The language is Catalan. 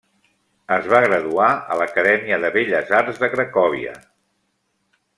Es va graduar a l'Acadèmia de Belles Arts de Cracòvia.